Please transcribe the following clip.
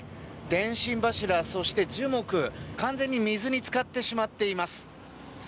電信柱、そして樹木完全に水に浸かってしまっています。